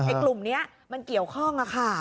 ไอ้กลุ่มนี้มันเกี่ยวข้องครับค่ะ